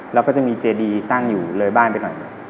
แล้วก็จะมีเจดีตั้งอยู่เลยบ้านไปหน่อย